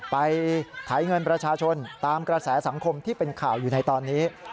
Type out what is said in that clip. ไถเงินประชาชนตามกระแสสังคมที่เป็นข่าวอยู่ในตอนนี้